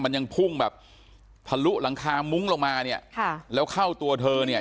มันยังพุ่งแบบทะลุหลังคามุ้งลงมาเนี่ยค่ะแล้วเข้าตัวเธอเนี่ย